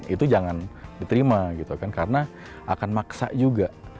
itu jangan diterima karena akan maksa juga